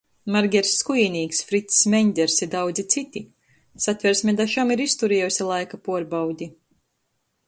Margers Skujinīks, Frics Meņders i daudzi cyti. Satversme da šam ir izturiejuse laika puorbaudi.